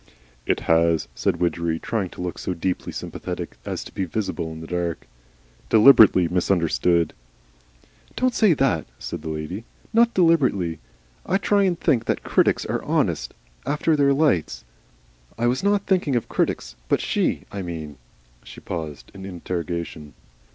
"It has," said Widgery, trying to look so deeply sympathetic as to be visible in the dark. "Deliberately misunderstood." "Don't say that," said the lady. "Not deliberately. I try and think that critics are honest. After their lights. I was not thinking of critics. But she I mean " She paused, an interrogation.